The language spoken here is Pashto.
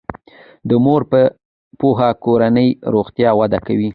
د مور په پوهه کورنی روغتیا وده کوي.